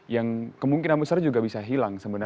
yang kemungkinan besar juga bisa hilang sebenarnya